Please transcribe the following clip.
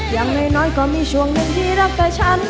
อย่างน้อยก็มีช่วงหนึ่งที่รักกับฉัน